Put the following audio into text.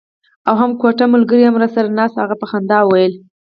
او هم کوټه ملګری هم راسره نشته. هغه په خندا وویل.